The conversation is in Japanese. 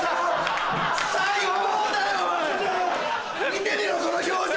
見てみろこの表情